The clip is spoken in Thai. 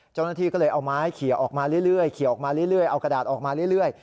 เจ้าหน้าที่ก็เลยเอาไม้เขียวออกมาเรื่อยเอากระดาษออกมาเรื่อย